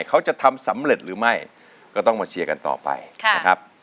เขาจะทำสำเร็จหรือไม่ก็ต้องมาเชียร์กันต่อไปนะครับ